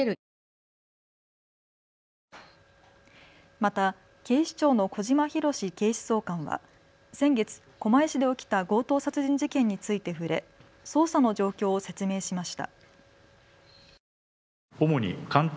また警視庁の小島裕史警視総監は先月、狛江市で起きた強盗殺人事件について触れ捜査の状況を説明しました。